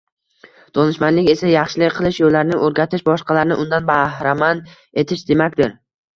Donishmandlik esa yaxshilik qilish yo‘llarini o‘rgatish, boshqalarni undan bahramand etish demakdir